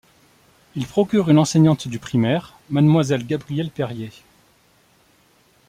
Ils procurent une enseignante du primaire, Mademoiselle Gabrielle Périer.